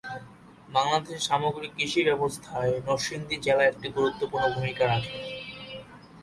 বাংলাদেশের সামগ্রিক কৃষি ব্যবস্থায় নরসিংদী জেলা একটি গুরুত্বপূর্ণ ভূমিকা রাখে।